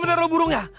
bener bener lu burungnya